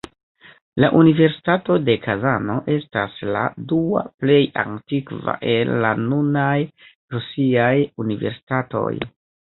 La Universitato de Kazano estas la dua plej antikva el la nunaj rusiaj universitatoj.